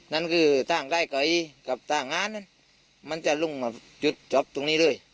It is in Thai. นั่นคือต้องได้เก๋กับต้างกานมันจะลงไปจุดจบตรงนี้ด้วย